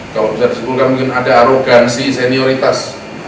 kalau bisa disimpulkan mungkin ada arogansi senioritas